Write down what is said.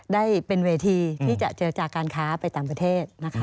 ได้เป็นเวทีที่จะเจรจาการค้าไปต่างประเทศนะคะ